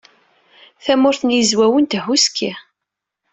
Tamurt n Yizwawen tehhuski.